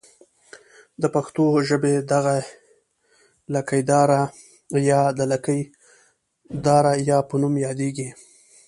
د پښتو ژبې دغه ۍ د لکۍ داره یا په نوم یادیږي.